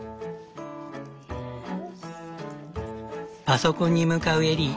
パソコンに向かうエリー。